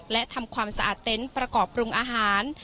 และทำความสะอาดเต็นต์ประกอบปรุงอาหาร